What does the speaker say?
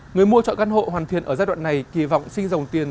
người mua chọn căn hộ hoàn thiện ở giai đoạn này kỳ vọng sinh dòng tiền